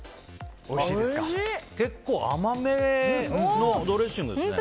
結構甘めのドレッシングですね。